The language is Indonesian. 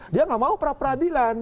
dia tidak mau para peradilan